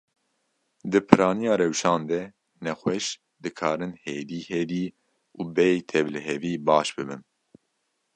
Di piraniya rewşan de, nexweş dikarin hêdî hêdî û bêy tevlihevî baş bibin.